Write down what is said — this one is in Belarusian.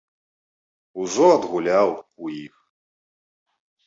Ужо адгуляў у іх.